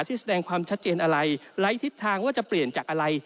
แสดงความชัดเจนอะไรไร้ทิศทางว่าจะเปลี่ยนจากอะไร